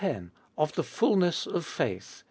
Of the Fulness of Faith (xi.